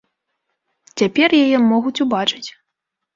Цяпер яе могуць убачыць.